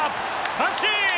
三振！